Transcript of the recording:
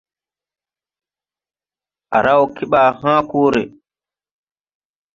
A raw keɓaa hãã kore.